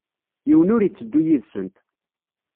Yiwen ur yetteddu yid-sent.